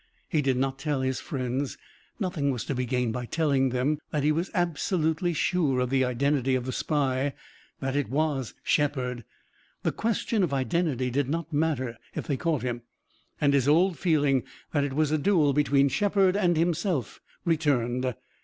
He did not tell his friends nothing was to be gained by telling them that he was absolutely sure of the identity of the spy, that it was Shepard. The question of identity did not matter if they caught him, and his old feeling that it was a duel between Shepard and himself returned.